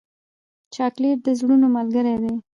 چاکلېټ د زړونو ملګری دی.